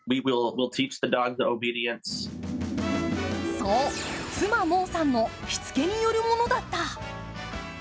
そう、妻・モーさんのしつけによるものだった。